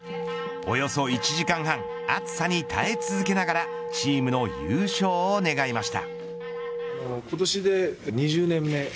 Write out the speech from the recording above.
およそ１時間半熱さに耐え続けながらチームの優勝を願いました。